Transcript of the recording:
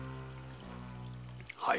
はい。